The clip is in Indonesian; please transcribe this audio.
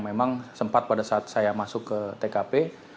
memang sempat pada saat saya masuk ke tkp